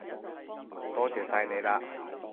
多謝晒你喇